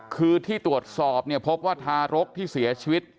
คือที่ตรวจสอบเนี่ยพบว่าทารกที่เสียชีวิต